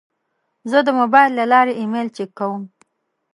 زه د موبایل له لارې ایمیل چک کوم.